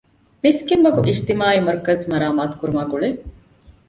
މިސްކިތްމަގު އިޖުތިމާޢީ މަރުކަޒު މަރާމާތު ކުރުމާގުޅޭ